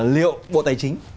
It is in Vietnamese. liệu bộ tài chính